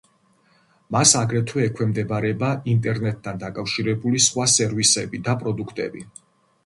მას აგრეთვე ექვემდებარება ინტერნეტთან დაკავშირებული სხვა სერვისები და პროდუქტები.